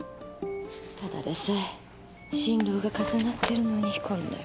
ただでさえ心労が重なってるのにこんな記事が。